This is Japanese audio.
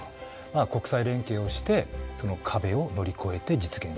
国際連携をしてその壁を乗り越えて実現していきたい。